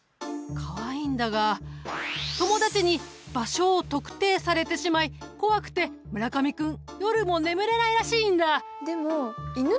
かわいいんだが友達に場所を特定されてしまい怖くて村上君夜も眠れないらしいんだ。